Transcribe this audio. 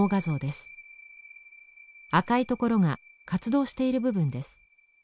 赤いところが活動している部分です。